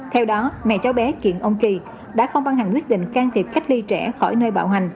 theo đó mẹ cháu bé kiện ông kỳ đã không băng hẳn quyết định can thiệp cách ly trẻ khỏi nơi bảo hành